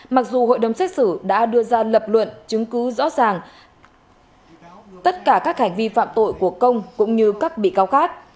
mặc dù hội đồng xét xử đã đưa ra lập luận chứng cứ rõ ràng tất cả các hành vi phạm tội của công cũng như các bị cáo khác